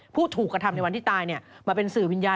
ผู้ถูกกระทำในวันที่ตายมาเป็นสื่อวิญญาณ